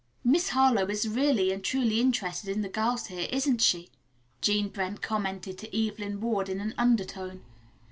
"Miss Harlowe is really and truly interested in the girls here, isn't she?" Jean Brent commented to Evelyn Ward in an undertone.